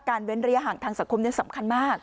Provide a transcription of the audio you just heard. เว้นระยะห่างทางสังคมนั้นสำคัญมาก